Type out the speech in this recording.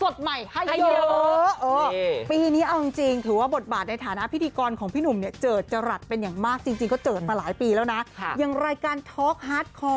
ยังรายการทอร์กฮาร์ทคอล